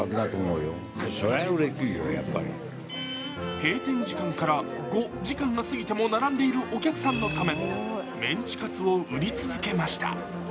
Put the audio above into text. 閉店時間から５時間が過ぎても並んでいるお客さんのためメンチカツを売り続けました。